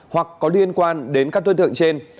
hoặc có liên quan đến các tuyên thượng trên